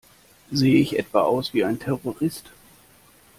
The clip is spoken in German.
Sehe ich etwa aus wie ein Terrorist?